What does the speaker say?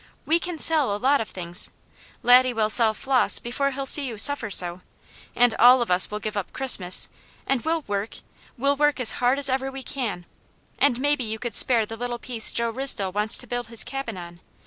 We can sell a lot of things. Laddie will sell Flos before he'll see you suffer so; and all of us will give up Christmas, and we'll work! We'll work as hard as ever we can, and maybe you could spare the little piece Joe Risdell wants to build his cabin on.